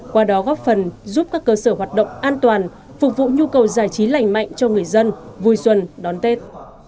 qua đó góp phần giúp các cơ sở hoạt động an toàn phục vụ nhu cầu giải trí lành mạnh cho người dân vui xuân đón tết